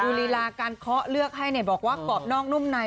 ลีลาการเคาะเลือกให้บอกว่ากรอบนอกนุ่มใน